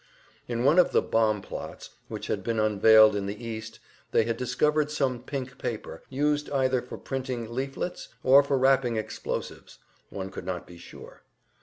In one of the "bomb plots" which had been unveiled in the East they had discovered some pink paper, used either for printing leaflets, or for wrapping explosives, one could not be sure.